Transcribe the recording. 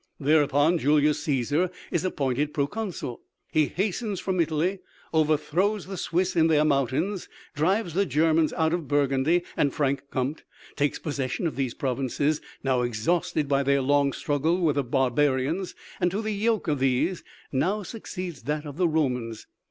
Thereupon, Julius Cæsar is appointed proconsul; he hastens from Italy; owerthrows the Swiss in their mountains; drives the Germans out of Burgundy and Frank Compté; takes possession of these provinces, now exhausted by their long struggles with the barbarians; and to the yoke of these now succeeds that of the Romans.